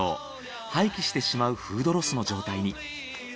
廃棄してしまうフードロスの状態に。